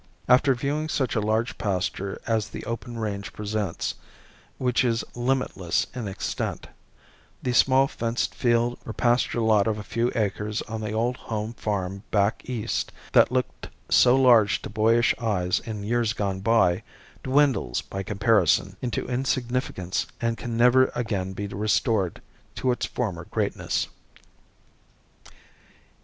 After viewing such a large pasture as the open range presents, which is limitless in extent, the small fenced field or pasture lot of a few acres on the old home farm back east, that looked so large to boyish eyes in years gone by, dwindles by comparison into insignificance and can never again be restored to its former greatness.